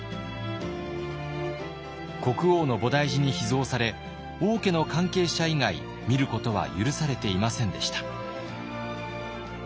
国王の菩提寺に秘蔵され王家の関係者以外見ることは許されていませんでした。